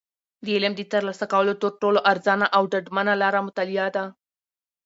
د علم د ترلاسه کولو تر ټولو ارزانه او ډاډمنه لاره مطالعه ده.